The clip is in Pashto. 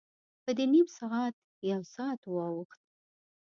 په دې کې نیم ساعت، یو ساعت واوښت.